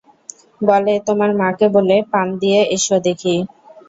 বলে, তোমার মাকে বলে পান নিয়ে এসো দেখি?